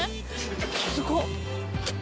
すごっ。